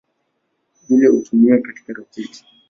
Vile hutumiwa katika roketi.